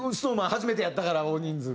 初めてやったから大人数が。